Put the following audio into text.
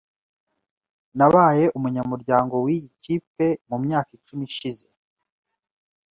Nabaye umunyamuryango wiyi kipe mu myaka icumi ishize .